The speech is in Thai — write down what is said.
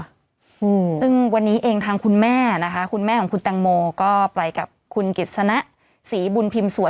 อืมซึ่งวันนี้เองทางคุณแม่นะคะคุณแม่ของคุณแตงโมก็ไปกับคุณกิจสนะศรีบุญพิมพ์สวย